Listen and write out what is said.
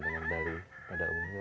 dengan bali pada umumnya